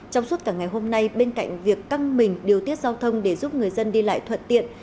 trong suốt cả ngày hôm nay bên cạnh việc căng mình điều tiết giao thông để giúp người dân đi lại thuận tiện